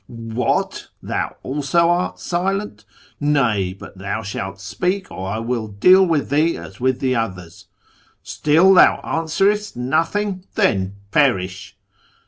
... What ! thou also art silent ? Nay, but thou shalt speak, or I wall deal with thee as with the others. ... Still thou answerest nothing ? Then perish